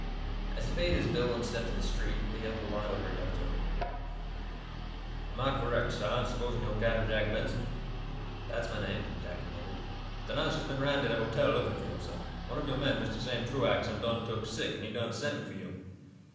As he paid his bill and stepped to the street, a young mulatto hurried up to him. "Am Ah correct, sah, in supposin' yo' Cap'n Jack Benson?" "That's my name," Jack admitted. "Den Ah's jes' been 'roun' to de hotel, lookin' fo' yo', sah. One ob yo' men, Mistah Sam Truax, am done took sick, an' he done sent me fo' yo'."